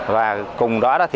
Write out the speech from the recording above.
và cùng đó